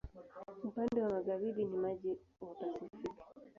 Upande wa magharibi ni maji wa Pasifiki.